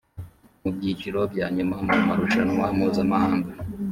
mu byiciro bya nyuma mu marushanwa mpuzamahanga